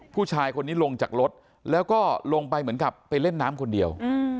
ผู้ชายคนนี้ลงจากรถแล้วก็ลงไปเหมือนกับไปเล่นน้ำคนเดียว